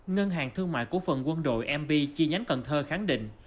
ngân hàng thương mại cổ phần quân đội mb chi nhánh cần thơ khẳng định